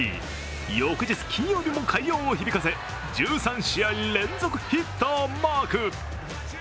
翌日、金曜日も快音を響かせ、１３試合連続ヒットをマーク。